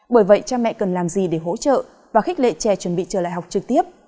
bởi vậy cha mẹ cần làm gì để hỗ trợ và khích lệ trẻ chuẩn bị trở lại học trực tiếp